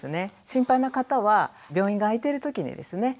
心配な方は病院が開いてる時にですね